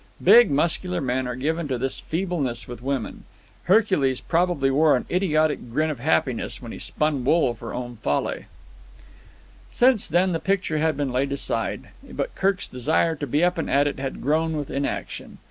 Big, muscular men are given to this feebleness with women. Hercules probably wore an idiotic grin of happiness when he spun wool for Omphale. Since then the picture had been laid aside, but Kirk's desire to be up and at it had grown with inaction.